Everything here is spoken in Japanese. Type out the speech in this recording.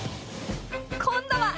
今度は